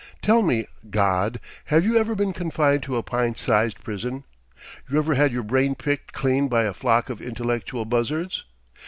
Tell me, god, have you ever been confined to a pint sized prison? You ever had your brain picked clean by a flock of intellectual buzzards?